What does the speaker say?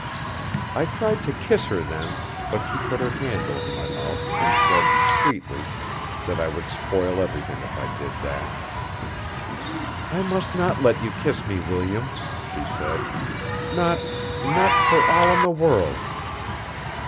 I tried to kiss her then, but she put her hand over my mouth and said, sweetly, that I would spoil everything if I did that. 'I must not let you kiss me, William,' she said, 'not not for all in the world.